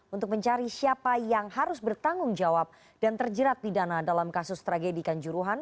untuk mencari siapa yang harus bertanggung jawab dan terjerat pidana dalam kasus tragedi kanjuruhan